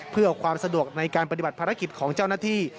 เพื่อความสะดวกในการปฏิบัติภารกิจของเจ้าหน้าที่